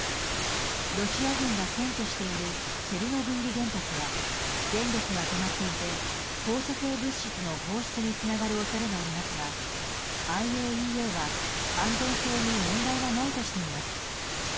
ロシア軍が占拠しているチェルノブイリ原発は電力が止まっていて放射性物質の放出につながる恐れがありますがＩＡＥＡは、安全性に問題はないとしています。